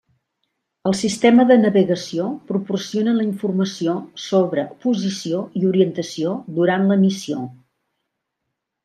Els sistemes de navegació proporcionen la informació sobre posició i orientació durant la missió.